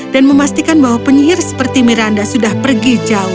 dan memastikan bahwa penyihir seperti miranda sudah pergi jauh